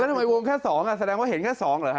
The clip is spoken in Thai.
ทำไมวงแค่๒แสดงว่าเห็นแค่๒เหรอฮ